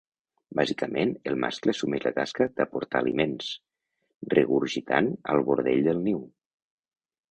Bàsicament el mascle assumeix la tasca d'aportar aliments, regurgitant al bordell del niu.